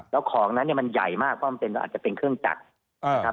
แล้วของนั้นมันใหญ่มากเพราะมันอาจจะเป็นเครื่องจักร